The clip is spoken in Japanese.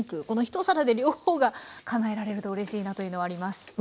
この一皿で両方がかなえられるとうれしいなというのはあります。